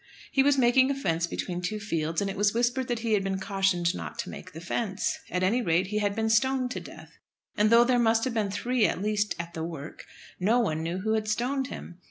He was making a fence between two fields, and it was whispered that he had been cautioned not to make the fence. At any rate he had been stoned to death, and though there must have been three at least at the work, no one knew who had stoned him.